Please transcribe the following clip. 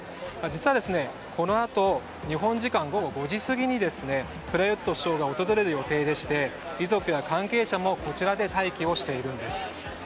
実は、このあと日本時間午後５時過ぎにプラユット首相が訪れる予定でして遺族や関係者もこちらで待機をしているんです。